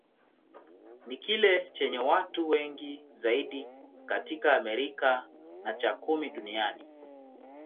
Ni kile chenye watu wengi zaidi katika Amerika, na cha kumi duniani.